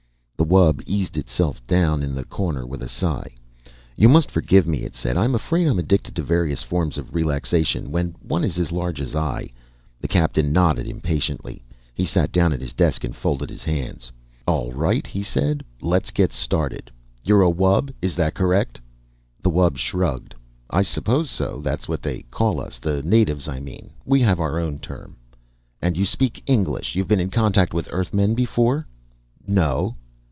The wub eased itself down in the corner with a sigh. "You must forgive me," it said. "I'm afraid I'm addicted to various forms of relaxation. When one is as large as I " The Captain nodded impatiently. He sat down at his desk and folded his hands. "All right," he said. "Let's get started. You're a wub? Is that correct?" The wub shrugged. "I suppose so. That's what they call us, the natives, I mean. We have our own term." "And you speak English? You've been in contact with Earthmen before?" "No."